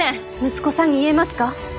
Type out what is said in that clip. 息子さんに言えますか？